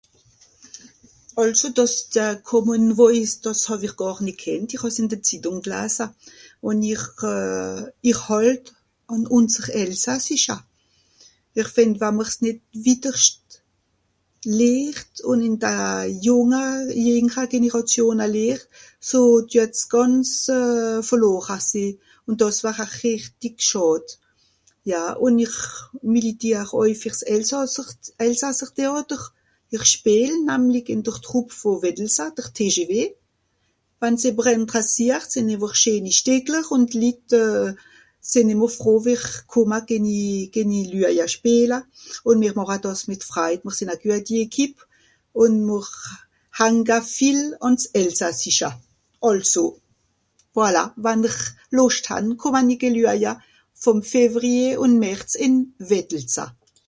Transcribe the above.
Àlso dàs... dia Common Voice, dàs hàw-ich gàr nìt kennt, ich hà's ìn de Zittùng glasa. Ùn ich euh... ich hàlt àn ùnser Elsassischa. Ìch fìnd wa'mr s' nìt witterscht lehrt ùn ìn da Jùnga, jìngra Generàtiona lehr, so düat's gànz euh... verlora sìì. Ùn dàs war a rìchtig Schàd. Ja. Ùn ìch militiar àui fer s'elsàsser... elsasser Teàter. Ìch spìel namlig ìn dr Troupe vù Wìttelsa, dr TGV. Wann's äbber ìnterssiart, sìnn ìmmer scheeni Stìckler ùn d'Litt euh... sìnn ìmmer froh fer kùmma ge ni... ge ni... lüaja spiela. Ùn mìr màcha dàs mìt freit, mr sìnn a güeti Equipe. Ùn mr hanka viel àn s'Elsassischa. Àlso, voilà ! Wenn'r Lùscht han, kùmma ni ge lüaja, vùn Février ùn März ìn Wìttelsa.